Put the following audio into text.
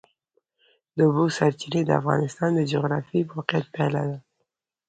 د اوبو سرچینې د افغانستان د جغرافیایي موقیعت پایله ده.